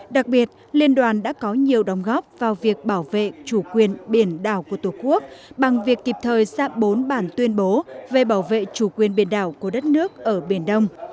đặc biệt liên đoàn đã có nhiều đóng góp vào việc bảo vệ chủ quyền biển đảo của tổ quốc bằng việc kịp thời ra bốn bản tuyên bố về bảo vệ chủ quyền biển đảo của đất nước ở biển đông